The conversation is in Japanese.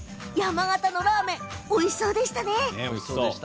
山形のラーメンおいしそうでしたね。